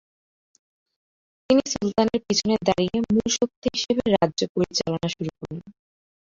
তিনি সুলতানের পিছনে দাঁড়িয়ে মূল শক্তি হিসেবে রাজ্য পরিচালনা শুরু করেন।